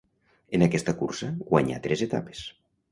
En aquesta cursa guanyà tres etapes.